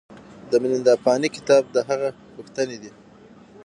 د میلیندا پانه کتاب د هغه پوښتنې دي